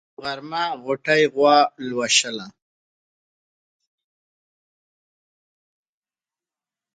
يوه غرمه غوټۍ غوا لوشله.